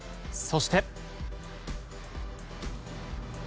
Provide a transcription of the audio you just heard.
そして。